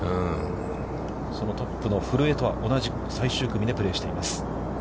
そのトップの古江とは、同じく、最終組でプレーしています。